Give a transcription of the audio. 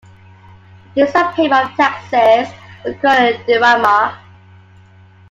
The days of payment of taxes were called "derrama".